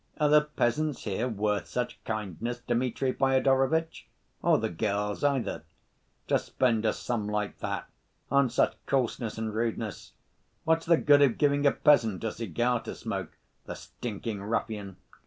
Are the peasants here worth such kindness, Dmitri Fyodorovitch, or the girls either? To spend a sum like that on such coarseness and rudeness! What's the good of giving a peasant a cigar to smoke, the stinking ruffian!